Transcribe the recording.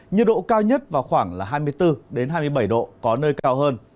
nhiệt độ cao nhất vào khoảng hai mươi bốn hai mươi bảy độ có nơi cao hơn